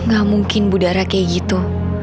gak mungkin bu dara kayak gitu